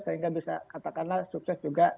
sehingga bisa katakanlah sukses juga